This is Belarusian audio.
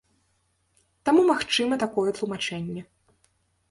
Таму магчыма такое тлумачэнне.